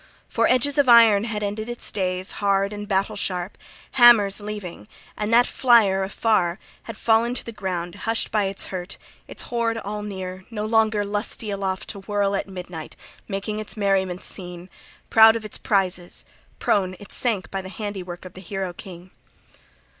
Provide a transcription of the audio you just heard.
For edges of iron had ended its days, hard and battle sharp, hammers' leaving; {37a} and that flier afar had fallen to ground hushed by its hurt, its hoard all near, no longer lusty aloft to whirl at midnight, making its merriment seen, proud of its prizes: prone it sank by the handiwork of the hero king.